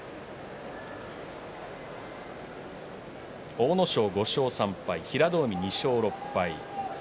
阿武咲５勝３敗平戸海、２勝６敗。